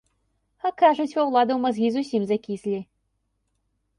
А кажуць, ва ўладаў мазгі зусім закіслі!